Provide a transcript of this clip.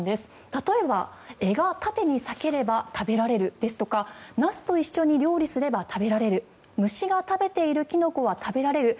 例えば、柄が縦に裂けられれば食べられるですとかナスと一緒に料理すれば食べられる虫が食べているキノコは食べられている。